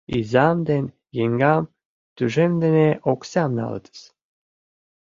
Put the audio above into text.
Изам ден еҥгам тӱжем дене оксам налытыс.